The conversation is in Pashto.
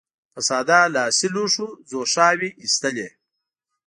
په ساده لاسي لوښو ځوښاوې اېستلې.